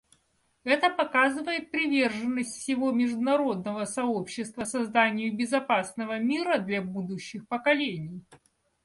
Это показывает приверженность всего международного сообщества созданию безопасного мира для будущих поколений.